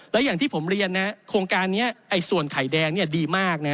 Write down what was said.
แล้วอย่างที่ผมเรียนนะโครงการนี้ส่วนไข่แดงดีมากนะ